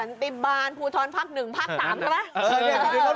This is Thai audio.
สันติบาลภูทรภาคหนึ่งภาคสามใช่ไหม